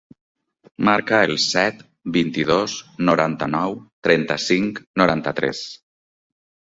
Marca el set, vint-i-dos, noranta-nou, trenta-cinc, noranta-tres.